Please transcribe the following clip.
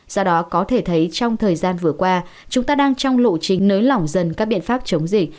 do đó có thể thấy trong thời gian vừa qua chúng ta đang trong lộ trình nới lỏng dần các biện pháp chống dịch